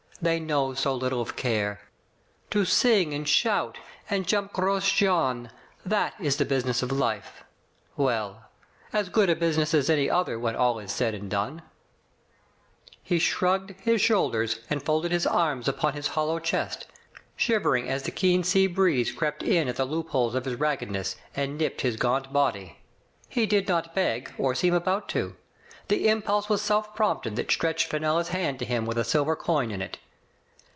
They know so little of care. To sing and shout, and jump Gros Jean, that is the business of life. Well! As good a business as any other when all is said and done.*' He shrugged his shoulders and folded his arms upon his hollow chest, shivering as the keen sea Digitized by Google CZO, GRAVES. 23s breeze crept, in at the loopholes of his raggedness, and nipped his gaunt body. He did not beg, or seem about to. The impulse was self prompted that stretched Fenella's hand to him with a silver coin in it.